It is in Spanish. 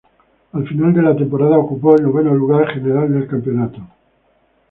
Al final de la temporada ocupó el noveno lugar general del campeonato.